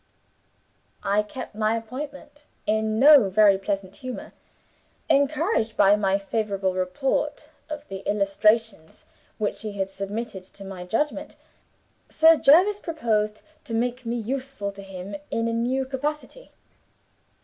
"I kept my appointment in no very pleasant humor. Encouraged by my favorable report of the illustrations which he had submitted to my judgment, Sir Jervis proposed to make me useful to him in a new capacity.